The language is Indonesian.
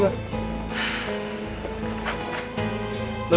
kalah lagi nih gue